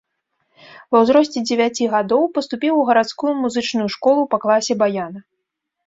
Ва ўзросце дзевяці гадоў паступіў у гарадскую музычную школу па класе баяна.